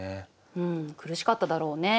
うん苦しかっただろうね。